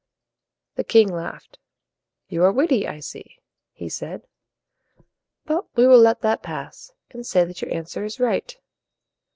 The king laughed. "You are witty, I see," he said. "But we will let that pass, and say that your answer is right.